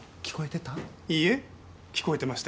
いいえ聞こえてましたよ。